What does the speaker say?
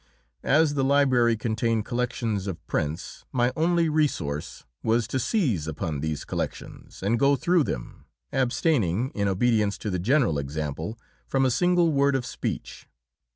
As the library contained collections of prints, my only resource was to seize upon these collections and go through them, abstaining, in obedience to the general example, from a single word of speech.